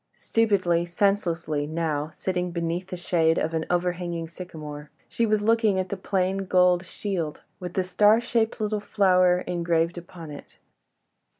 Stupidly, senselessly, now, sitting beneath the shade of an overhanging sycamore, she was looking at the plain gold shield, with the star shaped little flower engraved upon it.